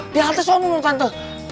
di halte soal menurut tante